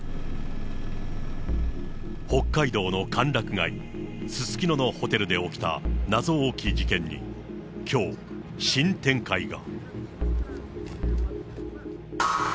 北海道の歓楽街、すすきののホテルで起きた謎多き事件に、きょう、新展開が。